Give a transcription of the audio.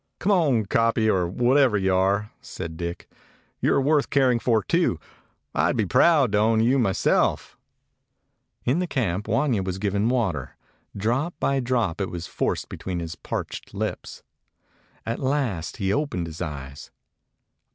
"Come on, kopje, or whatever you are," said Dick. "You are worth caring for too. I 'd be proud to own you myself." In camp Wanya was given water. Drop by drop it was forced between his parched lips. At last he opened his eyes.